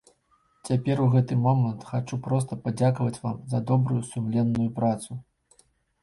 Цяпер у гэты момант хачу проста падзякаваць вам за добрую, сумленную працу.